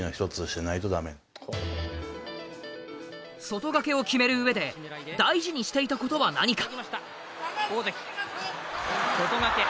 外掛けを決めるうえで大事にしていたことは何か。